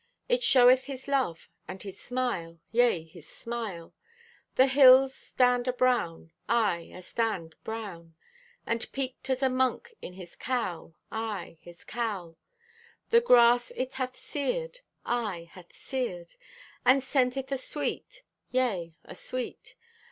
It showeth His love and His smile, yea, His smile. The hills stand abrown, aye astand brown, And peaked as a monk in his cowl, aye, his cowl! The grass it hath seared, aye, hath seared And scenteth asweet, yea, asweet.